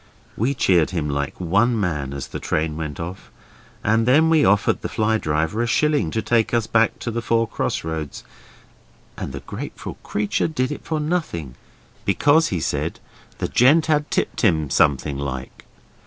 We cheered him like one man as the train went off, and then we offered the fly driver a shilling to take us back to the four cross roads, and the grateful creature did it for nothing because, he said, the gent had tipped him something like.